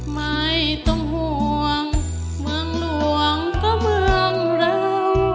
ไม่ต้องห่วงเมืองหลวงก็เมืองเรา